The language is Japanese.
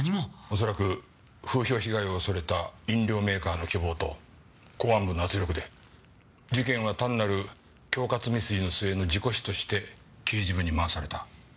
恐らく風評被害を恐れた飲料メーカーの希望と公安部の圧力で事件は単なる恐喝未遂の末の事故死として刑事部に回された。